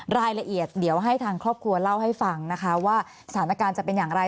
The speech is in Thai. รายละเอียดเดี๋ยวให้ทางครอบครัวเล่าให้ฟังนะคะว่าสถานการณ์จะเป็นอย่างไร